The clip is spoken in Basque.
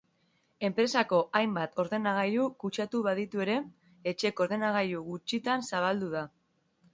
Enpresetako hainbat ordenagailu kutsatu baditu ere, etxeko ordenagailu gutxitan zabaldu da.